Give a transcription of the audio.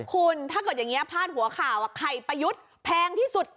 คุณถ้าเกิดอย่างนี้พาดหัวข่าวไข่ประยุทธ์แพงที่สุด